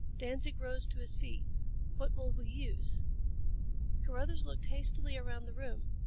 Danzig rose to his feet. "What will we use?" Carruthers looked hastily around the room.